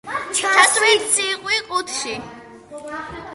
ჩასვით ციყვი ყუთში.